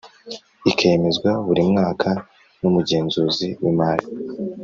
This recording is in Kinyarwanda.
ikemezwa buri mwaka n Umugenzuzi w Imari